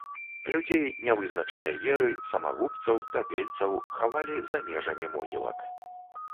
Людзей нявызначанай веры, самагубцаў, тапельцаў хавалі за межамі могілак.